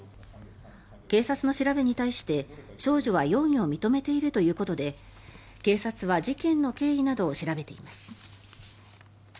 警察の調べに対して、少女は容疑を認めているということで警察は事件の経緯などを調べています。